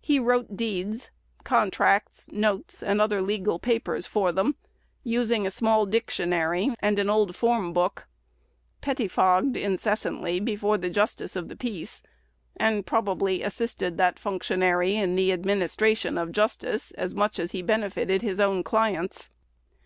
He wrote deeds, contracts, notes, and other legal papers, for them, "using a small dictionary and an old form book;" "petifogged" incessantly before the justice of the peace, and probably assisted that functionary in the administration of justice as much as he benefited his own clients.